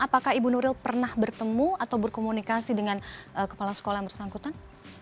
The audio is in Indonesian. apakah ibu nuril pernah bertemu atau berkomunikasi dengan kepala sekolah yang bersangkutan